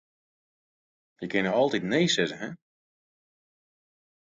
Je kinne altyd nee sizze, hin.